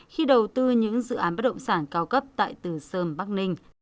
khi đầu tư những dự án bất động sản cao cấp tại từ sơn bắc ninh